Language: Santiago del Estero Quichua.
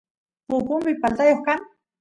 pupumpi paltayoq kan